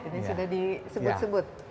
ini sudah disebut sebut